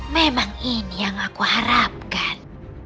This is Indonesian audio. memang ini yang aku harapkan